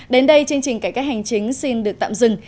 đến đây chương trình cải cách hành chính xin được tạm dừng